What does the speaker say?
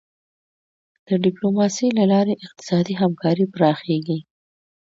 د ډیپلوماسی له لارې اقتصادي همکاري پراخیږي.